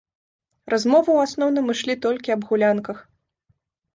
Размовы ў асноўным ішлі толькі аб гулянках.